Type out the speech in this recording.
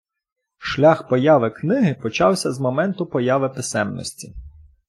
Шлях появи книги почався з моменту появи писемності.